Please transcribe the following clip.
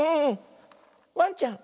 ワンちゃん。